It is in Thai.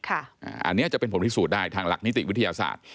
อันนี้จะเป็นผลพิสูจน์ได้ทางหลักนิติวิทยาศาสตร์